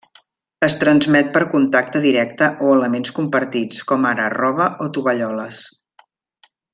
Es transmet per contacte directe o elements compartits, com ara roba o tovalloles.